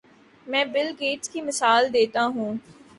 میں Bill Gates کی مثال دیتا ہوں۔